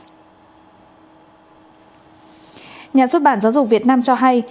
nhà xuất bản giáo dục việt nam cho hay